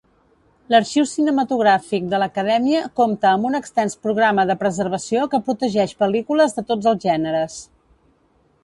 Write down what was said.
L'Arxiu Cinematogràfic de l'Acadèmia compta amb un extens programa de preservació que protegeix pel·lícules de tots els gèneres.